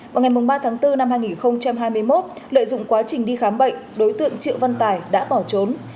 vào ngày ba tháng bốn năm hai nghìn hai mươi một lợi dụng quá trình đi khám bệnh đối tượng triệu văn tài đã bỏ trốn